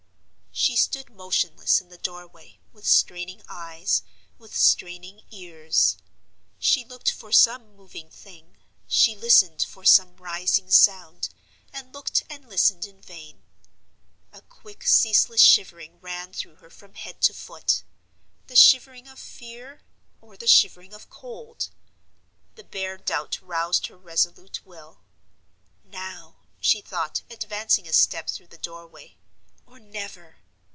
She stood motionless in the door way, with straining eyes, with straining ears. She looked for some moving thing, she listened for some rising sound, and looked and listened in vain. A quick ceaseless shivering ran through her from head to foot. The shivering of fear, or the shivering of cold? The bare doubt roused her resolute will. "Now," she thought, advancing a step through the door way, "or never!